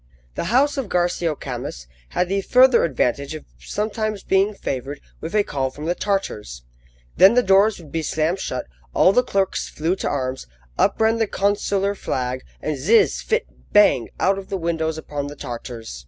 The house of Garcio Camus had the further advantage of sometimes being favoured with a call from the Tartars. Then the doors would be slammed shut, all the clerks flew to arms, up ran the consular flag, and zizz! phit! bang! out of the windows upon the Tartars.